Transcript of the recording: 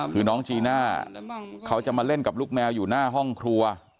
คือน้องจีน่าเขาจะมาเล่นกับลูกแมวอยู่หน้าห้องครัว